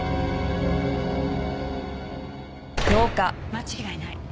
間違いない。